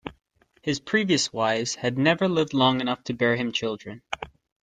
His previous wives had never lived long enough to bear him children.